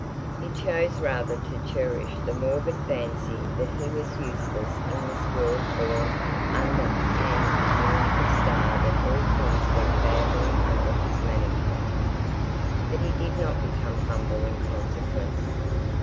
He chose rather to cherish the morbid fancy that he was useless in this world born under an unlucky star that all things went badly under his management. But he did not become humble in consequence.